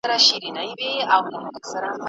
استاد وویل چې د بل چا موندنه مه پټوئ.